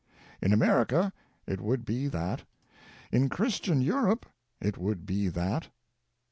In America it would be that ; in Christian Europe it would be that.